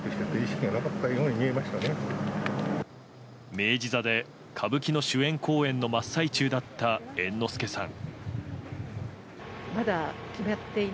明治座で歌舞伎の主演公演の真っ最中だった猿之助さん。